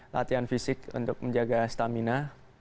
latihan fisik untuk menjaga stamina